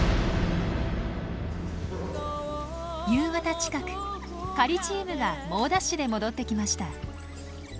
夕方近く狩りチームが猛ダッシュで戻ってきました。